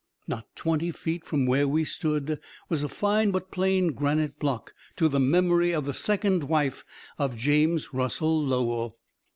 Not twenty feet from where we stood was a fine but plain granite block to the memory of the second wife of James Russell Lowell.